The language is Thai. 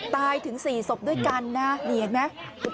ถึง๔ศพด้วยกันนะนี่เห็นไหม